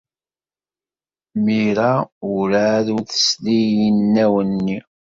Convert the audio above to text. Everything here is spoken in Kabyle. Mira werɛad ur tesli i yinaw-nni.